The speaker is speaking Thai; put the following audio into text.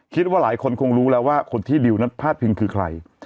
คิดว่าหลายคนคงรู้แล้วว่าคนที่ดิวนั้นพาดพิงคือใคร